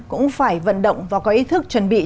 cũng phải vận động và có ý thức chuẩn bị